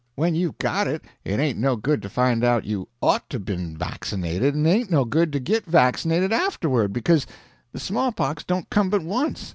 When you've got it, it ain't no good to find out you ought to been vaccinated, and it ain't no good to git vaccinated afterward, because the small pox don't come but once.